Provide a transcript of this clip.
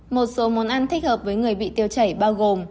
một số món ăn thích hợp với người bị tiêu chảy bao gồm